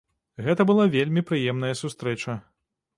Гэта была вельмі прыемная сустрэча.